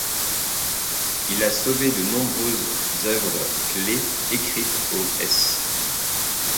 Il a sauvé de nombreuses œuvres clés, écrites aux s.